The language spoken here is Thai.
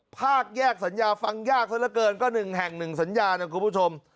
ภาคแยกสัญญาฟังยากซะละเกินก็๑แห่ง๑สัญญานะคุณผู้ชม